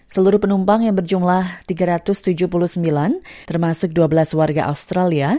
seluruh penumpang yang berjumlah tiga ratus tujuh puluh sembilan termasuk dua belas warga australia